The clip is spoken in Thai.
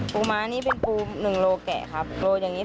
ม้านี่เป็นปู๑โลแกะครับโลอย่างนี้